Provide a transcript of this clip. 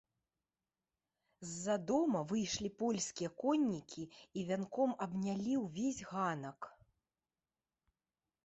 З-за дома выйшлі польскія коннікі і вянком абнялі ўвесь ганак.